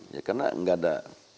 ya karena gak ada